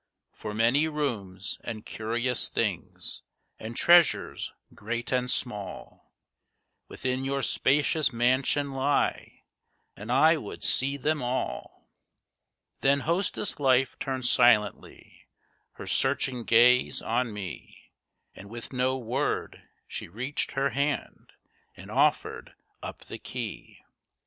For many rooms, and curious things, and treasures great and small Within your spacious mansion lie, and I would see them all." Then Hostess Life turned silently, her searching gaze on me, And with no word, she reached her hand, and offered up the key.